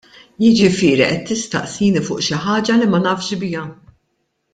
Jiġifieri qed tistaqsini fuq xi ħaġa li ma nafx biha.